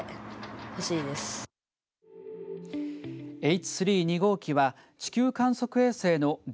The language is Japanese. Ｈ３、２号機は地球観測衛星のだ